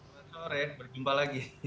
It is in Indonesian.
selamat sore berjumpa lagi